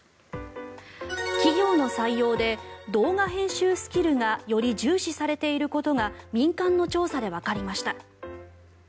企業の採用で動画編集スキルがより重視されていることが民間の調査でわかりました。